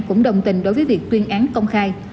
cũng đồng tình đối với việc tuyên án công khai